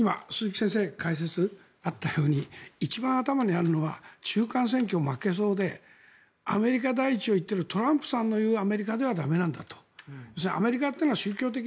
今、鈴木先生から解説があったように一番頭にあるのは中間選挙に負けそうでアメリカ第一といってもトランプさんの言うアメリカではだめなんだと。